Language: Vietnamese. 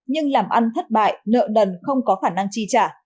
nhưng làm ăn thất bại nợ nần không có khả năng chi trả